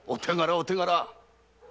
お手柄。